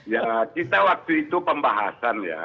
ya kita waktu itu pembahasan ya